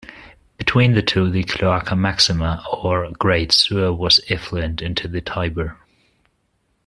Between the two, the Cloaca Maxima, or Great Sewer, was effluent into the Tiber.